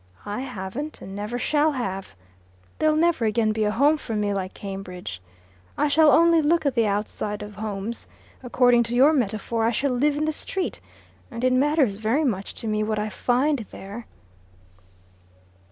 I haven't, and never shall have. There'll never again be a home for me like Cambridge. I shall only look at the outside of homes. According to your metaphor, I shall live in the street, and it matters very much to me what I find there."